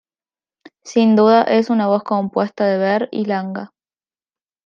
Sin duda es una voz compuesta de ber y langa.